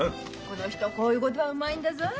この人こういうごどはうまいんだぞい。